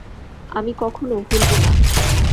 আমি কখনো ভুলব না।